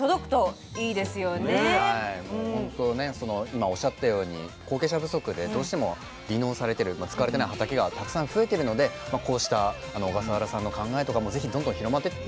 今おっしゃったように後継者不足でどうしても離農されてる使われてない畑がたくさん増えてるのでこうした小笠原さんの考えとかもぜひどんどん広まっていったらなって。